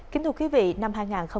kính thưa quý vị năm hai nghìn hai mươi ba